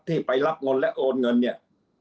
ไปรับเงินและโอนเงินเนี่ย